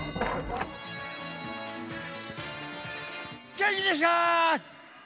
「元気ですかー！」。